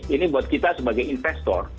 ini buat kita sebagai investor